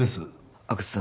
阿久津さん